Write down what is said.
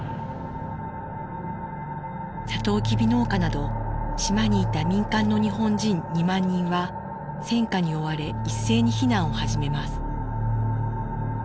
さとうきび農家など島にいた民間の日本人２万人は戦火に追われ一斉に避難を始めます。